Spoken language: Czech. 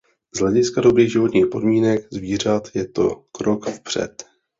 Z hlediska dobrých životních podmínek zvířat je to krok vpřed.